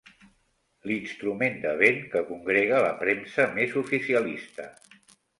L'instrument de vent que congrega la premsa més oficialista.